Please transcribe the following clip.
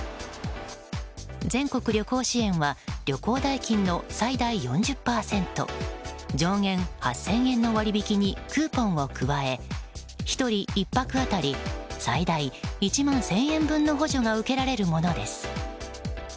全国旅行支援は旅行代金の最大４０％上限８０００円の割引にクーポンを加え１人１泊当たり最大１万１０００円分の補助が受けられるものです。